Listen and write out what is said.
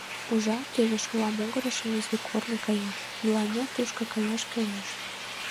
Ужат, теве шола могырыш изи корно кая, мыланна тушко каяш кӱлеш.